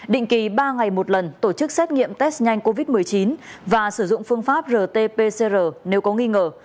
định kỳ ba ngày một lần tổ chức xét nghiệm test nhanh covid một mươi chín và sử dụng phương pháp rt pcr nếu có nghi ngờ